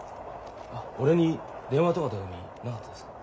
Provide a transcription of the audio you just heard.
俺に電話とか手紙なかったですか？